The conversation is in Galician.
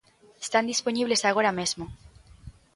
Están dispoñibles agora mesmo.